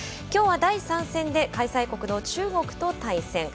きょうは第３戦で開催国の中国と対戦。